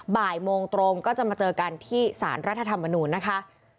บ่ายโมงตรงก็จะมาเจอกันที่สารรัฐธรรมนูญนะคะ